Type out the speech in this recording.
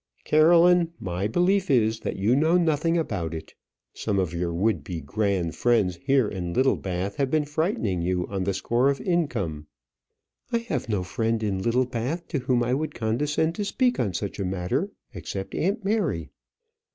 "Caroline, my belief is, that you know nothing about it. Some of your would be grand friends here in Littlebath have been frightening you on the score of income." "I have no friend in Littlebath to whom I would condescend to speak on such a matter, except aunt Mary."